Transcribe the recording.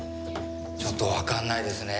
ちょっとわかんないですね。